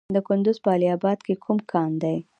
د کندز په علي اباد کې کوم کان دی؟